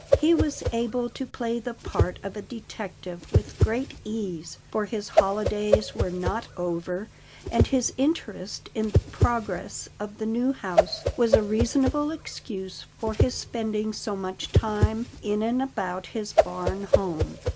He was able to play the part of a detective with great ease, for his holidays were not over, and his interest in the progress of the new house was a reasonable excuse for his spending so much time in and about his barn home.